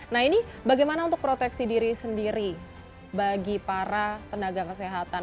nah ini bagaimana untuk proteksi diri sendiri bagi para tenaga kesehatan